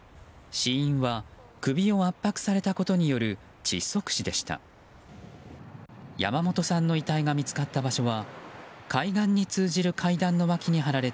死因は首を圧迫されたことによる窒息死でした。